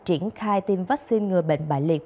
triển khai tiêm vaccine ngừa bệnh bại liệt